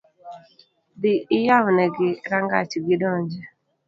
Dhii iyawnegi rangach gidonji